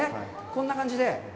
こんな感じで。